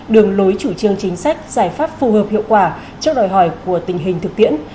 đường lối chủ trương chính sách giải pháp phù hợp hiệu quả trước đòi hỏi của tình hình thực tiễn